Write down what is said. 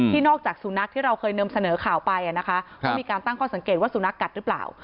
นอกจากสุนัขที่เราเคยนำเสนอข่าวไปนะคะว่ามีการตั้งข้อสังเกตว่าสุนัขกัดหรือเปล่า